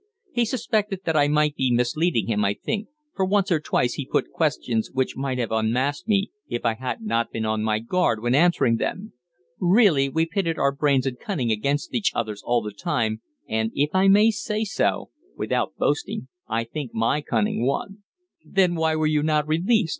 He suspected that I might be misleading him, I think, for once or twice he put questions which might have unmasked me if I had not been on my guard when answering them. Really we pitted our brains and cunning against each other's all the time, and, if I may say so without boasting, I think my cunning won." "Then why were you not released?"